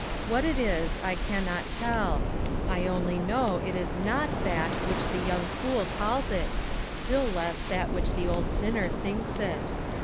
What it is, I can not tell; I only know it is not that which the young fool calls it, still less that which the old sinner thinks it.